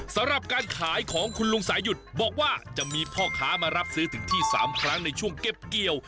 สำหรับการขายของคุณลุงสายุทธ์บอกว่าจะมีพ่อค้ามารับซื้อถึงที่๓ครั้งในช่วงเก็บเกี่ยว